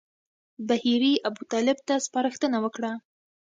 بهیري ابوطالب ته سپارښتنه وکړه.